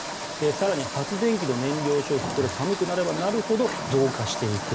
更に発電機の燃料消費寒くなればなるほど増加していく。